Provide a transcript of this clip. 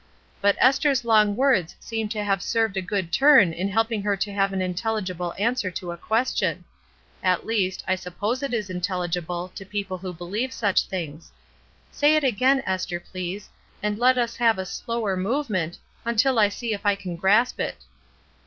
But Esther's long words seem to have served a good turn in helping her to give an intelligible answer to a question. At least, I suppose it is intelligible to people THEORY AND PRACTICE 209 who believe such things. Say it again, Esther, please, and let us have a slower movement, imtil I see if I can grasp it."